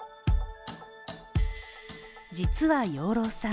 実は養老さん